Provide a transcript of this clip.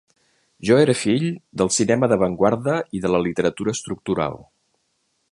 Jo era fill del cinema d’avantguarda i de la literatura estructural.